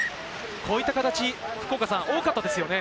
こういった形、福岡さん、多かったですよね。